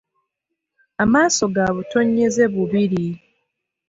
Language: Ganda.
Amaaso ga butonyeze bubiri.